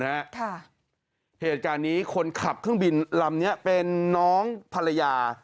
เหตุการณ์นี้คนขับเครื่องบินลำนี้เป็นน้องภรรยา